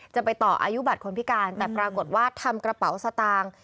จะไปต่ออายุบัตรคนพิการแต่ปรากฏว่าทำกระเป๋าสตางค์